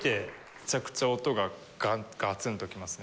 めちゃくちゃ音がガツンと来ますね。